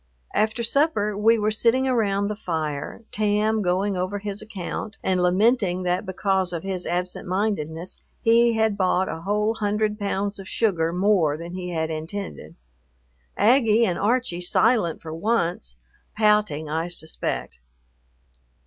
After supper we were sitting around the fire, Tam going over his account and lamenting that because of his absent mindedness he had bought a whole hundred pounds of sugar more than he had intended, Aggie and Archie silent for once, pouting I suspect.